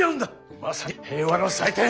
まさに平和の祭典。